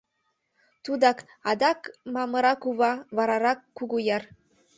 Тудак, адак Мамыра кува, варарак — Кугуяр.